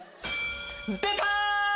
出た！